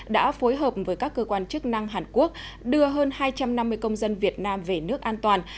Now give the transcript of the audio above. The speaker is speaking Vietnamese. đã phối hợp với các cơ quan chức năng hàn quốc đưa hơn hai trăm năm mươi công dân việt nam về nước an toàn